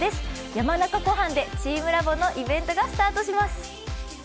山中湖畔でチームラボのイベントがスタートします。